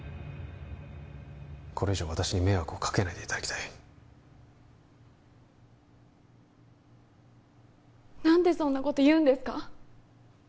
これ以上私に迷惑をかけないでいただきたい何でそんなこと言うんですか？